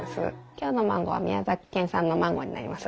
今日のマンゴーは宮崎県産のマンゴーになります。